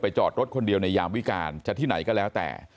จอดรถคนเดียวในยามวิการจะที่ไหนก็แล้วแต่